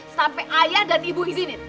sampai ayah dan ibu izinin